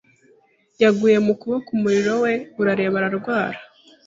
yaguye mu kuboko Umuriro we urareba ararwara